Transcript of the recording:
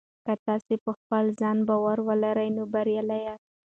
که تاسي په خپل ځان باور ولرئ نو بریالي یاست.